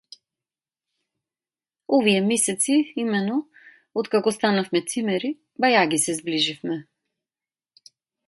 Овие месеци, имено, откако станавме цимери, бајаги се зближивме.